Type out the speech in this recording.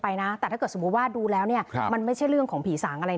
นะแต่ถ้าเกิดสมมุติว่าดูแล้วเนี่ยมันไม่ใช่เรื่องของผีสางอะไร